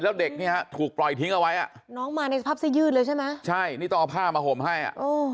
แล้วเด็กเนี่ยฮะถูกปล่อยทิ้งเอาไว้อ่ะน้องมาในสภาพเสื้อยืดเลยใช่ไหมใช่นี่ต้องเอาผ้ามาห่มให้อ่ะ